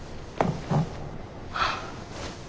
はあ。